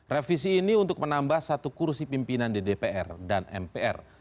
revisi ini untuk menambah satu kursi pimpinan di dpr dan mpr